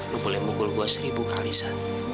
lo boleh mukul gue seribu kali saja